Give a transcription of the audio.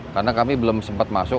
karena kami belum sempat masuk